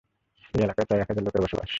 এ এলাকায় প্রায় এক হাজার লোকের বসবাস।